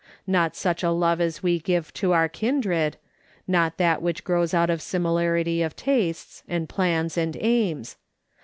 Not such a love as we give to our kindred ; not that which grows out of similarity of tastes, and plans, and aims.